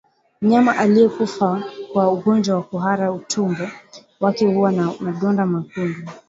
Mnyama aliyekufa kwa ugonjwa wa kuhara utumbo wake huwa na madonda mekundu